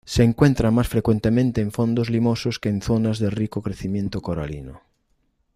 Se encuentra más frecuentemente en fondos limosos, que en zonas de rico crecimiento coralino.